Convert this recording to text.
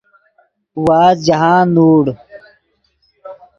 وازد جاہند نوڑ